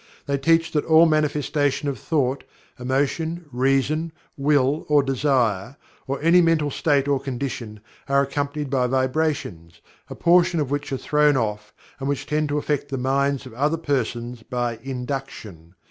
They teach that all manifestation of thought, emotion, reason, will or desire, or any mental state or condition, are accompanied by vibrations, a portion of which are thrown off and which tend to affect the minds of other persons by "induction."